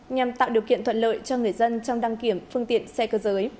nhằm tạo điều kiện thuận lợi cho người dân trong đăng kiểm phương tiện xe cơ giới